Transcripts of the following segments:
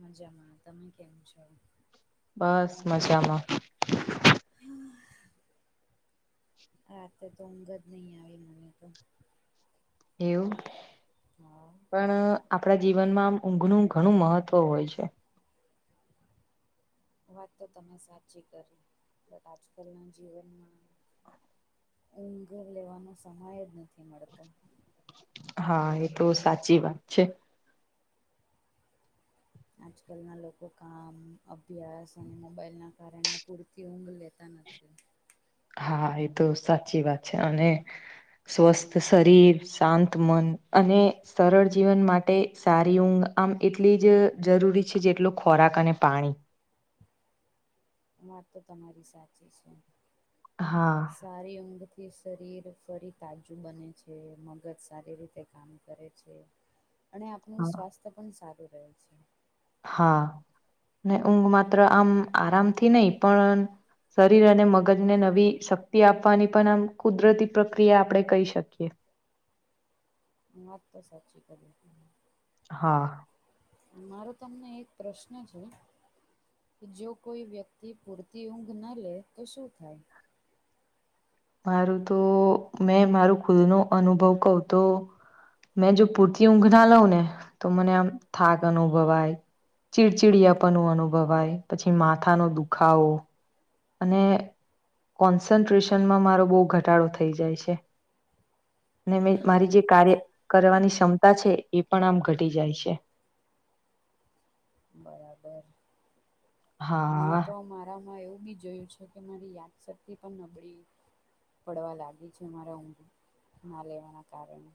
મજામાં તમે કેમ છો. બસ મજામાં. હમ. રાતે તો ઊંઘ જ નહી આવી મને તો. એવું. હા. પણ આપણા જીવનમાં આમ ઊંઘ નું ઘણું મહત્વ હોય છે. વાત તો તમે સાચી કરી બટ આજકાલના જીવનમાં. ઊંઘર લેવાનો સમય જ નથી મળતો. હા એ તો સાચી વાત છે. આજકાલના લોકો કામ અભ્યાસ અને મોબાઈલના. કારરે એને પરતી ઉું લેતા નથી. હા એ તો સાચી વાત છે અને. સ્વસ્થ શરીર શાંત મન અને, સરળ જીવન માટે સારી ઊંઘ આમ એટલી જ જરૂરી છે જેટલો ખોરાક અને પાણી. વાત તો તમારી સાચી છે. હા. સારી ઊંઘથી શરીર ફરી તાજું બને છે મગજ સારી રીતે કામ કરે છે. અને આપણું હા સ્વાસ્થ્ય પણ સારું રહે છે. હા ને ઊંઘ માત્ર આમ આરામથી નહ પણ. શરીર અને મગજને નવી શક્તિ આપવાની પણ આમ કુદરતી પ્રક્રિયા આપડણે કહી શકીએ. મત તો સાચી ક. હા. મારો તમને એક પ્રશ્ન છે. જો કોઈ વ્યક્તિ પૂરતી ઊંઘ ન લે તો શું થાય? મારું તો મેં મારું ખુદ નો અનુભવ કઉ તો. મેં જો પૂરતી ઊંઘ ના લઉં ને તો મને આમ થાક અનુભવાય. ચીડચીડિયાવાનું અનુભવાય પછી માથાનો દુખાવો. અને કોન્સન્ટ્રેશનમાં મારો બહુ ઘટાડો થઈ જાય છે મેં મારી જે બરાબર કાર્ય કરવાની ક્ષમતા છે એ પણ આમ ઘટી જાય છે બરાબર મેં હા તો મારામાં એવું બી જોયું જોકે મારી યાદશક્તિ પણ નબળી પડવા લાગી છે મામારા ઊંઘું ના લેવાના કારણે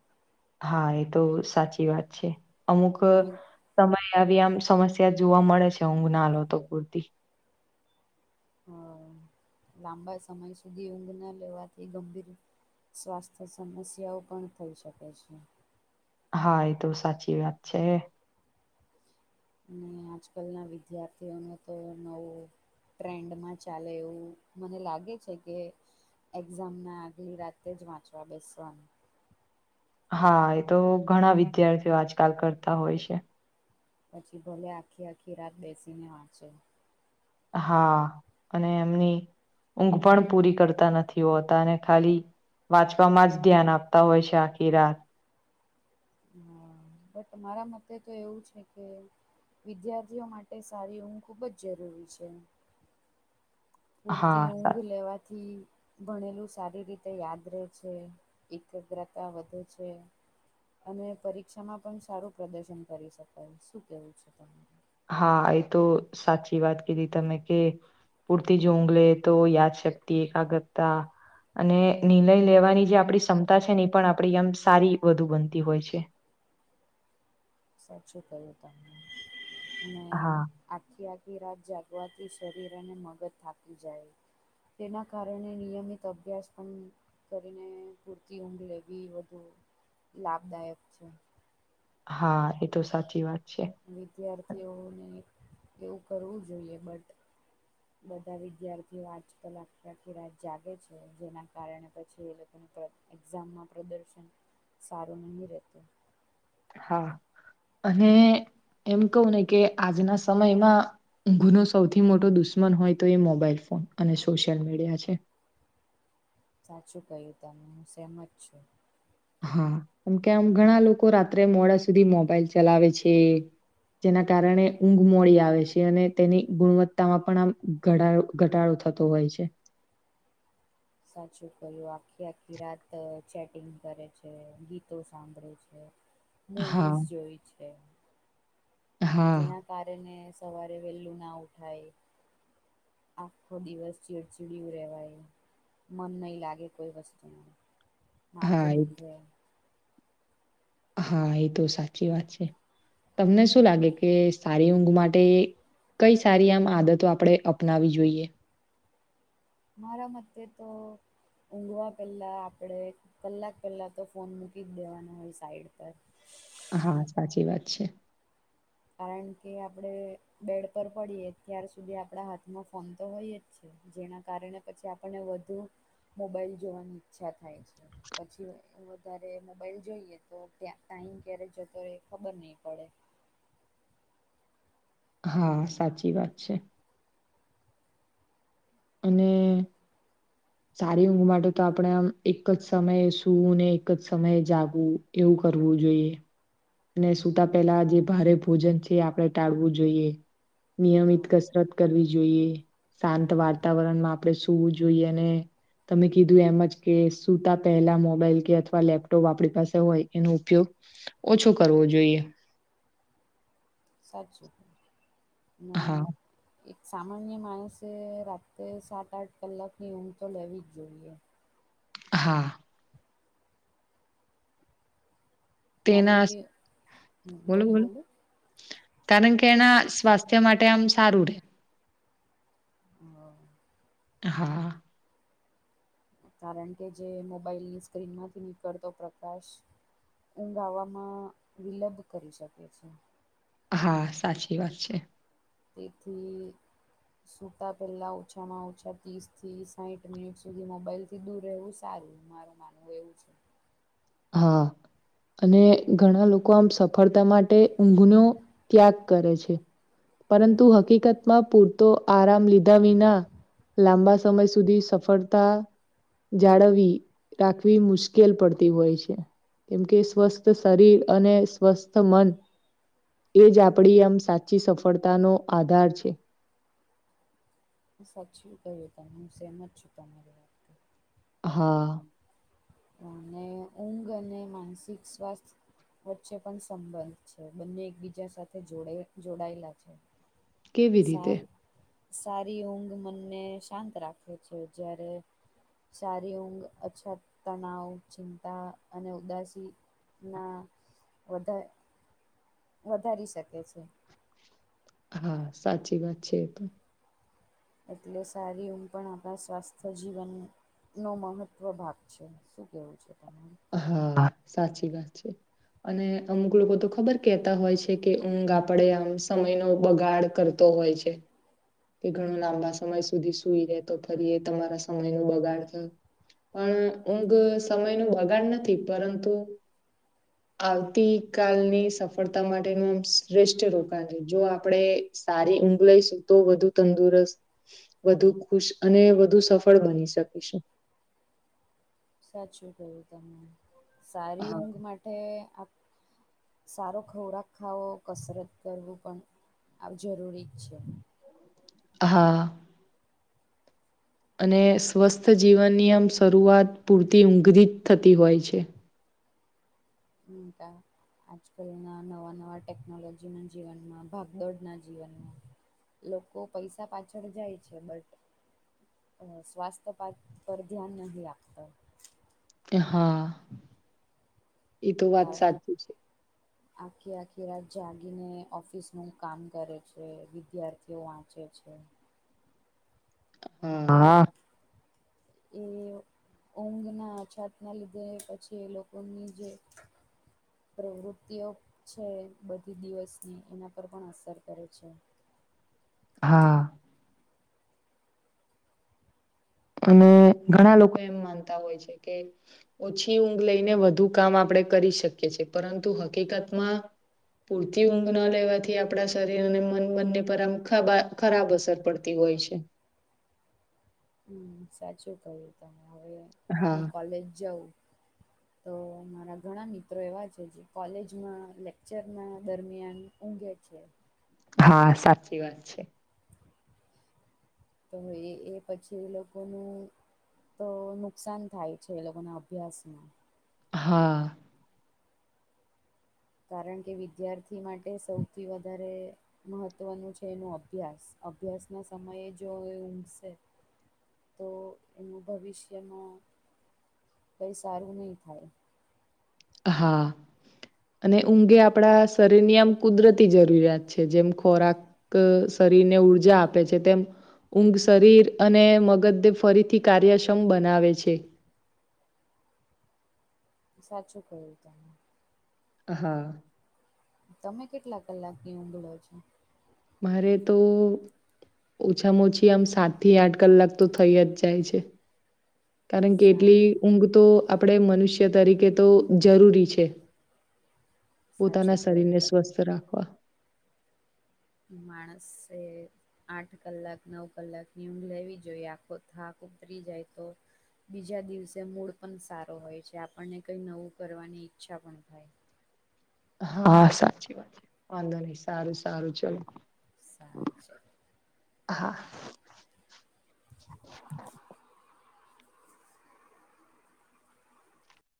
હા એ તો સાચી વાત છે અમુક અને સમય આવી આમ સમસ્યા જોવા મળે છે ઊંઘ ના લો તો પૂરતી હ લાંબા સમય સુધી ઊંઘ ના લેવાથી ગંભીર સ્વાસ્થ્ય સમસ્યાઓ પણ થઈ શકે છે હા એ તો સાચી વાત છે અને આજકાલના વિદ્યાર્થીઓને તો નવું ટ્રેન્ડમાં ચાલે એવું મને લાગે છે કે એક્ઝામ ના આગલી રાતે જ વાંચવા બેસવાનું હા એ તો ઘણા વિદ્યાર્થીઓ આજકાલ કરતા હોય છે પછી ભોલે આખી આખી રાત બેસીને વાંચે હા અને એમની ઊંઘ પણ પૂરી કરતા નથી હોતા અને ખાલી વાંચવામાં જ ધ્યાન આપતા હોય છે આખી રાત હા બટ તમારા મતે તો એવું છે કે વિદ્યાર્થીઓ માટે સારી ઊંઘ ખૂબ જ જરૂરી છે હા પૂરતી સા ઊંઘ લેવાથી ભણેલું સારી રીતે યાદ રહે છે એકાગ્રતા વધે છે અને પરીક્ષામાં પણ સારું પ્રદર્શન કરી શકાય શું કેવું છે ત હા એ તો સાચી વાત કીધી તમે કે પુરતી જુંંગલે તો દ શક્તિ ક ગપતા અને નિર્ણય લેવાની જે આપણી ક્ષમતા છે એ પણ આપણી આમ સારી વધુ બનતી હોય છે સાચું કહ્યું તમને અને હા આખી આખી રાત જાગવાથી શરીર અને મગજ થાકી જાય તેના કારણે નિયમિત અભ્યાસ પણ કરીને પૂરતી ઊંઘ લેવી વધુ લાભદાયક છે હા એ તો સાચી વાત છે વિદ્યાર્થીઓને એવું કરવું જોઈએ બટ બધા વિદ્યાર્થીઓ આજ કલાક પ્રથી રાત જાગે છે જેના કારણે પછી એ લોકોને એક્ઝામમાં પ્રદર્શન સારું નહીં રહેતું હા અને એમ કવું ને કે આજના સમયમાં ગુનો સૌથી મોટો દુશ્મન હોય તો એ મોબાઈલ ફોન અને સોશિયલ મીડિયા છે સાચું કહ્યું તમે હું સહેમત છું હા કેમ કે આમ ઘણા લોકો રાત્રે મોડા સુધી મોબાઈલ ચલાવે છે જેના કારણે ઊંઘ મોડી આવે છે અને તેની ગુણવત્તામાં પણ આમ ઘટાો ઘટાડો થતો હોય છે સાચું ક્યું આખી આખી રાત ચેટિંગ કરે છે ગીતો સાંભળે છે હા મવીઝ જોઈ છે હા જેના કારણે સવારે વહેલું ના ઉઠાય આખો દિવસ ચીડચીડિયું રહેવાયું મન નહી લાગે કોઈ વસ્તુ ન હા માથું એ દુખે હા એ તો સાચી વાત છે તમને શું લાગે કે સારી ઊંઘ માટે કઈ સારી આમ આદતો આપણે અપનાવી જોઈએ મારા મતે તો ઊંઘવા પહેલાં આપણે કલાક પહેલાં તો ફોન મૂકી જ દેવાના હોય સાઈડ પર હા સાચી વાત છે કારણ કે આપડે બેડ પર પડીએ ત્યાર સુધી આપડા હાથમાં ફોન તો હોઈ જ છે. જેના કારણે પછી આપને વધુ મોબાઈલ જોવાની ઈચ્છા થાય છે. પછી વધારે મોબાઈલ જોઈએ તો ત્યા ટાાઈમ ક્યારે જતો હોય એ ખબર નહીં પડે. હા સાચી વાત છે. અને હમ્મ. સારી ઊંઘ માટે તો આપણે આમ એક જ સમયે સુવું ને એક જ સમયે જાગવું. એવું કરવું જોઈએ. અને સુતા પેલા જે ભારે ભોજન છે આપણે ટાળવું જોઈએ નિયમિત હા ક કસરત કરવી જોઈએ શાંત વાતાવરણમાં આપણે સુૂવું જોઈએ અને તમે કીધું એમજ કે સૂતા પહેલા મોબાઈલ કે અથવા લેપટોપ આપણી પાસે હોય એનો ઉપયોગ [inaudible] ઓછો કરવો જોઈએ. સાત જોોપો [unintelligible] અને હા એક સામાન્ય માણસે રાત્ર સાત આઠ કલાકની ઊંઘ તો લેવી જ જોઈએ. હા. કારણ તેના કે બોલો બોલો. કારણ કે એના સ્વાસ્થ્ય માટે આમ સારું રે. હ. હા. કારણ કે જે મોબાઈલ ની સ્ક્રીન માંથી નીકળતો પ્રકાશ ઊંઘ આવવામાં વિલબ કરી શકે છે. હા સાચી વાત છે. તેથી સૂતા પહેલાં ઓછામાં ઓછા ત્રીસથી સાહીઠ મિનિટ સુધી મોબાઈલ ફ સીધું રહેવું સારું મારે માનવું એવું છે. હા. અને ઘણા લોકો આમ સફળતા માટે ઊંઘનો ત્યાગ કરે છે. પરંતુ હકીકતમાં પૂરતો આરામ લીધા વિના લાંબા સમય સુધી સફળતા જાળવી રાખવી મુશ્કેલ પડતી હોય છે. કેમ કે સ્વસ્થ શરીર અને સ્વસ્થ મન એજ આપડી આમ સાચી સફળતાનોો આધાર છે. હું સાચીવી કહ્યું તમે હું સહેમત છું તમારી વાત. હા. અને ઊંઘ અને માનસિક સ્વાસ્થ્ય વચ્ચે પણ સંબંધ છે બંને એકબીજા સાથે જોડે જોડાયેલા છે. કેવી સ રીતે સારી ઊંઘ મનને શાંત રાખે છે જ્યારે સારી ઊંઘ અછત, તણાવ, ચિંતા અને ઉદાસી ના વધારે વધારી શકે છે. હા સાચી વાત છે તો. એટલે સારી ઊંઘ પણ આપણા સ્વાસ્થ્ય જીવન નો મહત્વ ભાગ છે. શું કેવું છે તમારે? હા સાચી વાત છે. અને અમુક લોકો તો ખબર કેતા હોય છે કે ઊંઘ આપડે આમ સમય નો બગાડ કર હોય છે. કે ઘણું લાંબા સમય સુધી સુઈ રે તો ફરી એ તમારા સમય ન બગાડ થયો પણ ઊંઘ સમયનું બગાડ નથી પરંતુ આવતી કલની સફળતા માટેનું આમ શ્રેષ્ઠ રોકાણ જો આપણેે સારી ઊઘ લઈશું તો વધુ તંદુરસ્ત વધુ ખુશ અને વધુ સફળ બની શકીશું. સાચું કયું તમે સારી હા ઊંઘ માટે સારો ખોરાક ખાવો કસરત કરવું પણ આવ જરૂરી જ છે. હા અને સ્વસ્થ જીવનનીયમ શરૂઆત પૂરતી ઊંઘરી જ થતી હોય છે. તા આજકાલના નવા નવા ટેકનોલોજીના જીવનમાં ભાગદોડના જીવનમાં લોકો પૈસા પાછળ જાય છે. બટ અ સ્વાસ્થ્ય પા પર ધ્યાન નહીં રાખત હા એ તો વાત કારણ સાચી છે. આખી આખી રાત જાગીને ઓફિસ નું કામ કરે છે વિદ્યાર્થીઓ વાંચે છે. હ તો હા એ ઊંઘ ના છાત ના લીધે પછી લોકોની જે પ્રવૃત્તિઓ છે બધી દિવસની એના પર પણ અસર કરે છે. હા. અને ઘણા લોકો એમ માનતા હોય છે કે ઓછી ઊંઘ લઈને વધુ કામ આપણે કરી શકીએ છ, છેએ પરંતુ હકીકતમાં પૂરતી ઊંઘ ન લેવાથી આપણા શરીર અને મન બંને પરમ ખાબ ખરાબ અસર પડતી હોય છે હમ સાચું કહ્યું તમે હવે હું હા કોલેજ જઉં તો મારા ઘણા મિત્રો એવા છે જે કોલેજમાં લેક્ચરના દરમિયાન ઊંઘે છે હા સાચી વાત છે. તો એ એ પછી એ લોકોનું તો નુકસાન થાય છે, એ લોકોના અભ્યાસમાં હા કારણ કે વિદ્યાર્થી માટે સૌથી વધારે મહત્વનું છે એનું અભ્યાસ અભ્યાસ ના સમયે જો ઊંડશે તો એનું ભવિષ્યમાં કઈ સારું નહી થાય હા. અને ઊંઘે આપણા શરીરની આમ કુદરતી જરૂરિયાત છે, જેમ ખોરાક શરીરને ઉઊર્જા આપે છે. તેમ ઊંઘ શરીર અને મગધે ફરીથી કાર્યક્ષમ બનાવે છે સાચું કય્યું તને હા તમે કેટલા કલાક ની ઉઊગળો છો મારે તો ઓછામાં ઓછી, આમ સાત થી આઠ કલાક તો થઈ જ જાય છે. કારણ કે એટલી સારું ઊંઘ તો આપણે મનુષ્ય તરીકે તો જરૂરી છે. પોતાના સાચું શરીર કહ્યું ને તમે સ્વસ્થ રાખવા માણસ એ આઠ કલાક નવ કલાક ની ઊંઘ લેવી જોઈએ આખો થાક ઉતરી જાય તો બીજા દિવસે મૂડ પણ સારો હોય છે, આપણને કઈ નવું કરવાની ઈચ્છા પણ થાય હા સાચી વાત છે, વાંધો નઈિ સારું સારું ચાલો સારું છે હ હા